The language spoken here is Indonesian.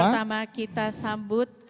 dan yang pertama kita sambut